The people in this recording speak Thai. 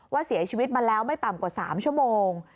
เสียชีวิตมาแล้วไม่ต่ำกว่า๓ชั่วโมง